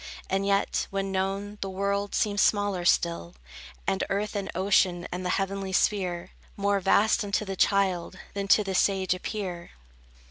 And yet, when known, the world seems smaller still; And earth and ocean, and the heavenly sphere More vast unto the child, than to the sage appear.